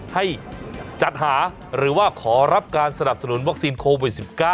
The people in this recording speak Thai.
ให้จัดหาหรือว่าขอรับการสนับสนุนวัคซีนโควิด๑๙